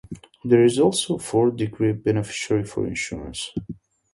There is also a fourth degree, Beneficiary, for insurance.